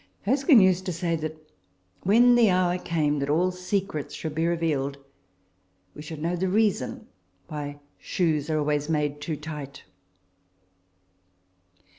Erskine used to say that when the hour came that all secrets should be revealed, we should know the reason why shoes are always made too tight.